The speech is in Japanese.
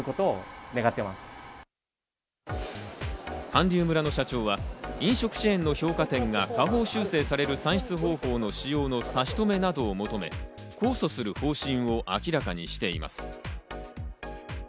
韓流村の社長は飲食チェーンの評価点が下方修正される算出方法の使用の差し止めなどを求め、控訴する方針を明らかにしています。